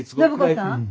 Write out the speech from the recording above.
暢子さん。